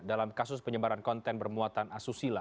dalam kasus penyebaran konten bermuatan asusila